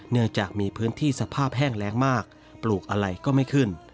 เนื่องจากมีพื้นที่สภาพแห้งแรงมากปลูกอะไรก็ไม่ขึ้น